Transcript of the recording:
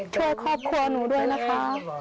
ช่วยครอบครัวหนูด้วยนะคะขอบคุณค่ะ